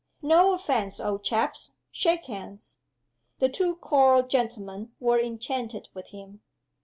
"No offense, old chaps! Shake hands!" The two choral gentlemen were enchanted with him.